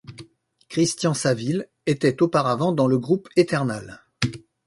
Christian Savill était auparavant dans le groupe Eternal.